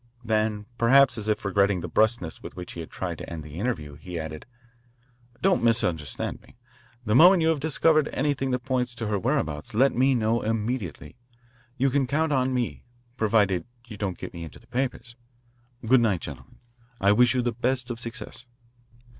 Then perhaps as if regretting the brusqueness with which he had tried to end the interview, he added, "Don't misunderstand me. The moment you have discovered anything that points to her whereabouts, let me know immediately. You can count on me provided you don't get me into the papers. Good night, gentlemen. I wish you the best of success."